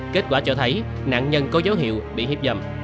kết quả cho thấy nạn nhân có dấu hiệu bị hiếp dâm